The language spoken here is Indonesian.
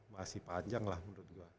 masih panjang lah menurut gue